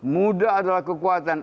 muda adalah kekuatan